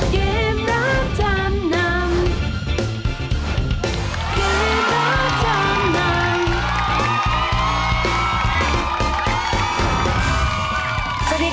เกมรับจำนำ